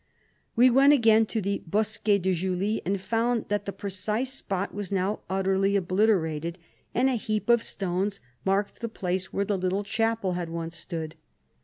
We went again to " the bosquet de Julie," and found that the precise spot was now utterly obliterated, and a heap of stones marked the place where the little chapel had once stood.